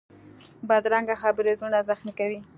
بدرنګه خبرې زړونه زخمي کوي